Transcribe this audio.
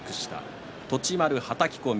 栃丸は、はたき込み。